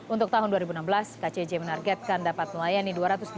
untuk tahun dua ribu enam belas kcj menargetkan dapat melayani